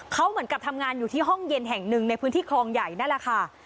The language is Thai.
เขาเหมือนกับทำงานอยู่ที่ห้องเย็นแห่งหนึ่งในพื้นที่คลองใหญ่นั่นแหละค่ะ